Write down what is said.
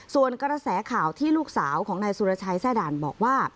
ส่วนกระแสข่าวที่ลูกสาวของนายสุรชัยแทร่ด่านบอกว่า